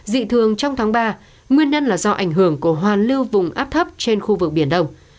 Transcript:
dị thường trong tháng ba nguyên nhân là do ảnh hưởng của hoàn lưu vùng áp thấp trên khu vực biển đông